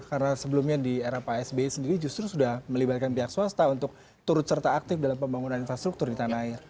karena sebelumnya di era pak sbe sendiri justru sudah melibatkan pihak swasta untuk turut serta aktif dalam pembangunan infrastruktur di tanah air